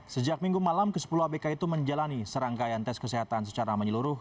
sejak minggu malam ke sepuluh abk itu menjalani serangkaian tes kesehatan secara menyeluruh